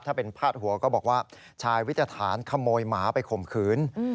ถ้าเป็นพาดหัวก็บอกว่าชายวิทยาฐานขโมยหมาไปข่มขืน